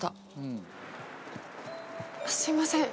すいません。